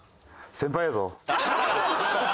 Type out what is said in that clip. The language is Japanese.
「先輩やぞ」。